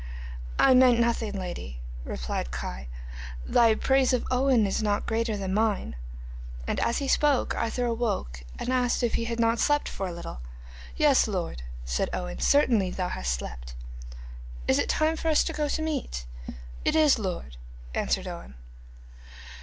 'I meant nothing, lady,' replied Kai; 'thy praise of Owen is not greater than mine.' And as he spoke Arthur awoke, and asked if he had not slept for a little. 'Yes, lord,' answered Owen, 'certainly thou hast slept.' 'Is it time for us to go to meat?' 'It is, lord,' answered Owen.